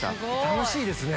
楽しいです。